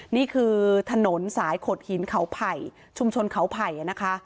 นี่คือถนนสายขดหินเขาไผ่ชุมชนเขาไผ่นะคะ